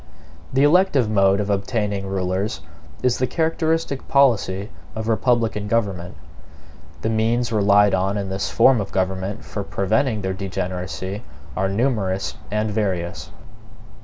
The elective mode of obtaining rulers is the characteristic policy of republican government. The means relied on in this form of government for preventing their degeneracy are numerous and various.